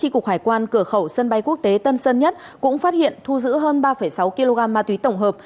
cửa khẩu sân bay quốc tế tân sơn nhất cũng phát hiện thu giữ hơn ba sáu kg ma túy tổng hợp